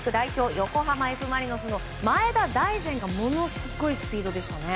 横浜Ｆ・マリノスの前田大然がものすごいスピードでしたね。